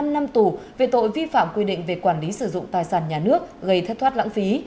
một mươi năm năm tù về tội vi phạm quy định về quản lý sử dụng tài sản nhà nước gây thất thoát lãng phí